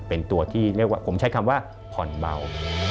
เป็นตัวที่เรียกว่าผมใช้คำว่าผ่อนเบา